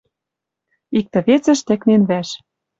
Иктӹ-весӹш тӹкнен вӓш.